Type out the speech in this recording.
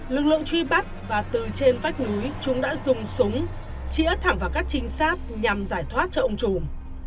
lực lượng truy bắt và từ trên vách núi chúng đã dùng súng chỉa thẳng vào các trinh sát nhằm giải thoát cho ông trùm